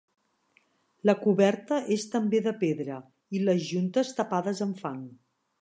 La coberta és també de pedra i les juntes tapades amb fang.